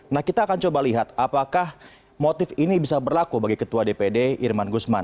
nah kita akan coba lihat apakah motif ini bisa berlaku bagi ketua dpd irman gusman